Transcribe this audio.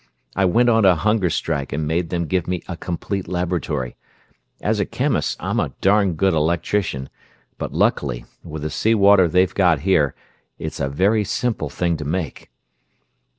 I went on a hunger strike and made them give me a complete laboratory. As a chemist I'm a darn good electrician; but luckily, with the sea water they've got here, it's a very simple thing to make...."